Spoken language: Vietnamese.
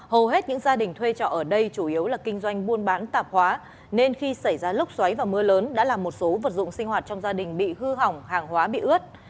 hầu hết những gia đình thuê trọ ở đây chủ yếu là kinh doanh buôn bán tạp hóa nên khi xảy ra lốc xoáy và mưa lớn đã làm một số vật dụng sinh hoạt trong gia đình bị hư hỏng hàng hóa bị ướt